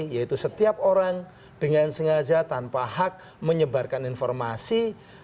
yaitu setiap orang dengan sengaja tanpa hak menyebarkan informasi